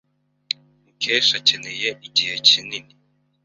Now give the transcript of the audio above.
Mukesha akeneye igihe kinini.